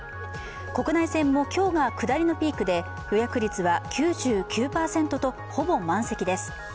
国内線も今日が下りのピークで予約率は、９９％とほぼ満席です。